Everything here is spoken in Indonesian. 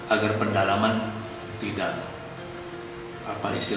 agar pendalaman bisa berjalan dengan lebih cepat